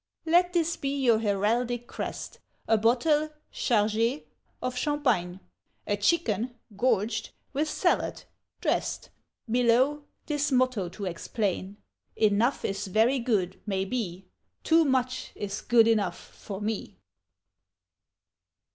Let this be your heraldic crest, A bottle (chargé) of Champagne, A chicken (gorged) with salad (dress'd), Below, this motto to explain "Enough is Very Good, may be; Too Much is Good Enough for Me!"